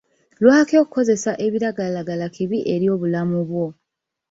Lwaki okukozesa ebiragalalagala kibi eri obulamu bwo?